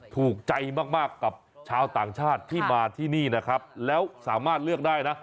ถูกใจมากมากกับชาวต่างชาติที่มาที่นี่นะครับแล้วสามารถเลือกได้นะ